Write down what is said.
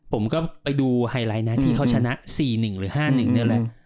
ผมก็ไปดูไฮไลท์นะที่เขาชนะ๔๑หรือ๕๑นี่แหละ